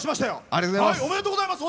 ありがとうございます。